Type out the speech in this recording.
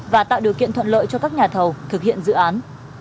và tạo điều kiện thuận lợi cho các nhà thầu thực hiện dự án